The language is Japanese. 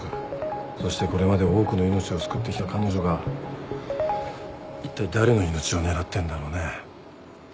そしてこれまで多くの命を救ってきた彼女がいったい誰の命を狙ってんだろうね。